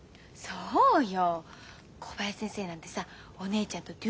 そうよ。